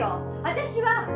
私は